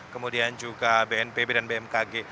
kemudian juga bnpb dan bmkg